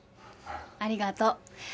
ありがとう。